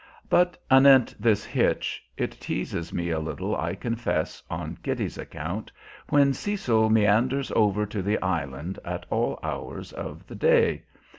But anent this hitch, it teases me a little, I confess, on Kitty's account, when Cecil meanders over to the island at all hours of the day.